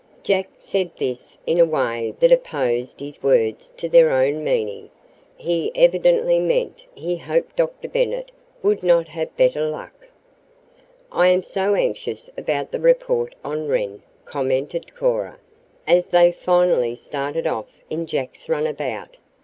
Jack said this in a way that opposed his words to their own meaning. He evidently meant he hoped Dr. Bennet would not have better luck. "I am so anxious about the report on Wren," commented Cora, as they finally started off in Jack's runabout.